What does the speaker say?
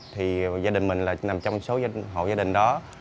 thì gia đình mình là nằm trong số hộ gia đình đó